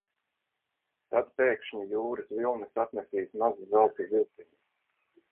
Tad pēkšņi jūras vilnis atnesīs mazu zelta zivtiņu.